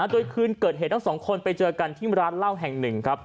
โดยคืนเกิดเหตุทั้งสองคนไปเจอกันที่ร้านเหล้าแห่งหนึ่งครับ